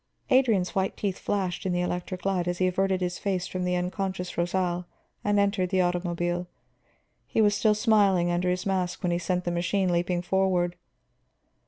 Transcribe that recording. Adrian's white teeth flashed in the electric light as he averted his face from the unconscious Rosal and entered the automobile. He was still smiling under his mask when he sent the machine leaping forward.